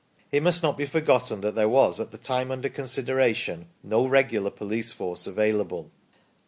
It must not be forgotten that there was, at the time under consideration, no regular police force available.